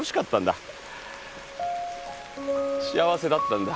幸せだったんだ。